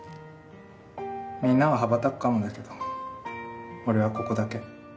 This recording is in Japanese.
みんなは羽ばたくかもだけど俺はここだけ。